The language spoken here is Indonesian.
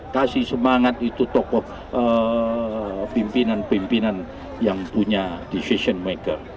kasih semangat itu tokoh pimpinan pimpinan yang punya division maker